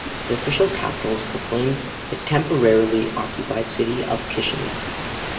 The official capital was proclaimed the "temporarily occupied city of Kishinev".